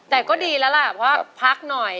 แต่ก็ดีแล้วล่ะเพราะพักหน่อย